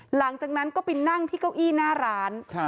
หลังจากนั้นก็ไปนั่งที่เก้าอี้หน้าร้าน